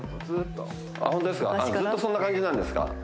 ずっとそんな感じなんですか？